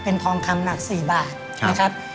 เป็นทองคำหนัก๔บาทนะครับ